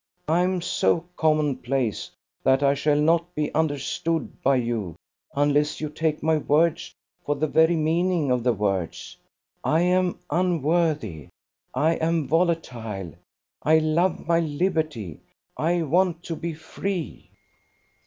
I am so commonplace that I shall not be understood by you unless you take my words for the very meaning of the words. I am unworthy. I am volatile. I love my liberty. I want to be free